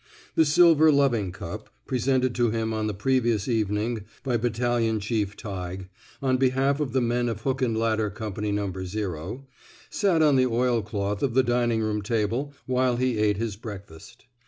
The silver loving cup, presented to him on the previous evening by Battalion Chief Tighe, on behalf of the men of Hook and Ladder Company No. 0, sat on the oilcloth of the dining room table while he ate his breakfast.